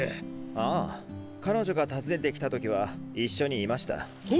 ああ彼女が訪ねてきた時は一緒にいました。